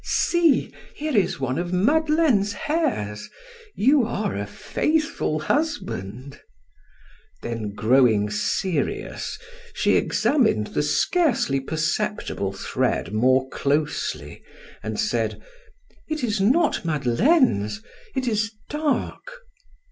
"See! Here is one of Madeleine's hairs; you are a faithful husband!" Then growing serious, she examined the scarcely perceptible thread more closely and said: "It is not Madeleine's, it is dark."